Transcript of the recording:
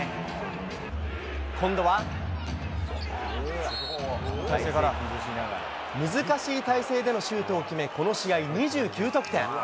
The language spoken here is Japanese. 今度は難しい体勢でのシュートを決め、この試合２９得点。